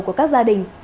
của các gia đình